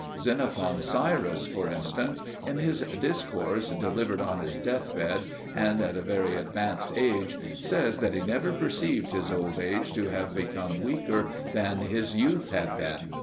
Xenophon's Cyrus, for instance, in his discourse delivered on his death bed and at a very advanced age, says that he never perceived his old age to have become weaker than his youth had been.